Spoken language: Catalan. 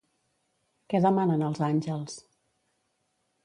Què demanen als àngels?